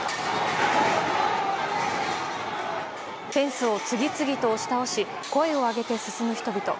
フェンスを次々と押し倒し声を上げて進む人々。